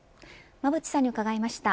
馬渕さんに伺いました。